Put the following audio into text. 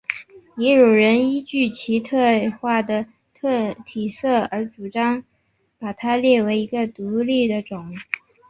也有人依据其特化的体色而主张把它列为一个独立的种。